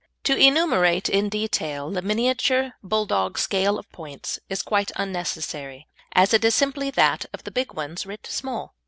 To enumerate in detail the Miniature Bulldog scale of points is quite unnecessary, as it is simply that of the big ones writ small.